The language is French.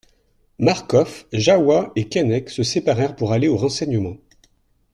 Marcof, Jahoua, et Keinec se séparèrent pour aller aux renseignements.